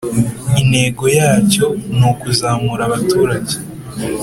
intego yacyo nukuzamura abaturage